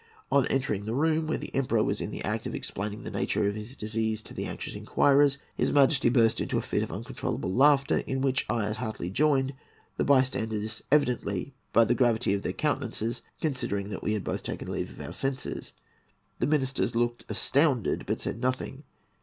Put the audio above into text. On my entering the room,—where the Emperor was in the act of explaining the nature of his disease to the anxious inquirers,—his Majesty burst into a fit of uncontrollable laughter, in which I as heartily joined, the bystanders evidently, from the gravity of their countenances, considering that we had both taken leave of our senses. The ministers looked astounded, but said nothing.